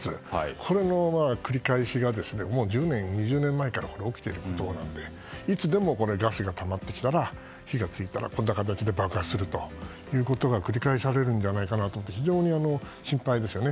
これの繰り返しが１０年、２０年前から起きていることなのでいつでもガスがたまってきたら火が付いたらこんな形で爆発するということが繰り返されるのではないかと思って非常に心配ですよね。